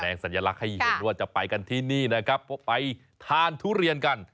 สัญลักษณ์ให้เห็นว่าจะไปกันที่นี่นะครับเพราะไปทานทุเรียนกัน